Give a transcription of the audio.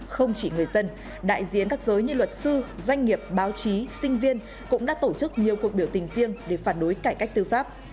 không chỉ người dân đại diện các giới như luật sư doanh nghiệp báo chí sinh viên cũng đã tổ chức nhiều cuộc biểu tình riêng để phản đối cải cách tư pháp